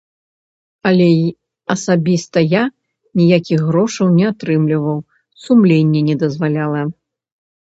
Але асабіста я ніякіх грошаў не атрымліваў, сумленне не дазваляла.